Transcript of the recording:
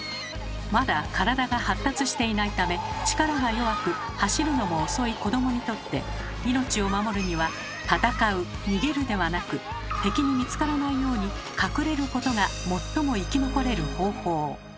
まだ体が発達していないため力が弱く走るのも遅い子どもにとって命を守るには「戦う」「逃げる」ではなく敵に見つからないように「隠れること」が最も生き残れる方法。